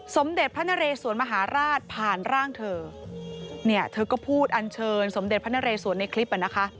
สมเด็จพระนเรสวนมหาราชผ่านร่างเธอเนี่ยเธอก็พูดอันเชิญสมเด็จพระนเรสวนในคลิปอ่ะนะคะ